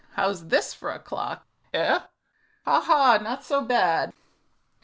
How's this for a clock? Ha! ha! It's not so bad eh?"